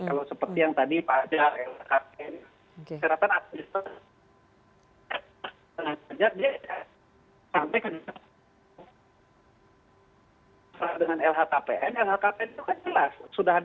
kalau seperti yang tadi pak ajar lhkpn